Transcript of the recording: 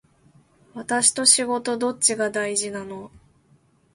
私と仕事どっちが大事なの